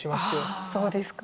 ああそうですか。